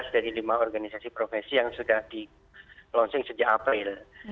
empat belas dari lima organisasi profesi yang sudah di launching sejak april